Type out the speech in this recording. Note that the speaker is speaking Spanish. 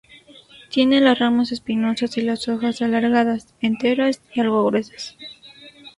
Tiene las ramas espinosas y las hojas alargadas, enteras y algo gruesas.